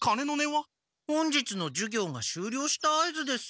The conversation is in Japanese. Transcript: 本日の授業がしゅうりょうした合図です。